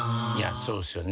そうですよね。